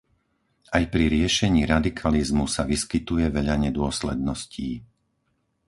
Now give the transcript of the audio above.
Aj pri riešení radikalizmu sa vyskytuje veľa nedôsledností.